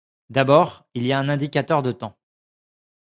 D'abord, il y a un indicateur de temps.